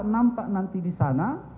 nampak nanti di sana